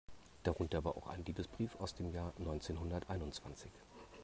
Darunter war auch ein Liebesbrief aus dem Jahr neunzehnhunderteinundzwanzig.